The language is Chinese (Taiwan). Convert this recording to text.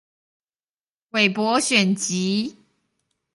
韋伯選集